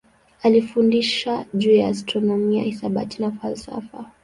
Alifundisha juu ya astronomia, hisabati na falsafa.